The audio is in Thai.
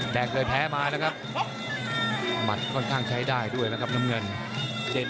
เคยแพ้มานะครับหมัดค่อนข้างใช้ได้ด้วยนะครับน้ำเงิน